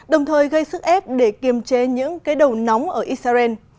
đồng thời gây sức ép để kiềm chế những cái đầu nóng ở israel